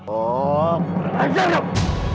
oh berlanjut dong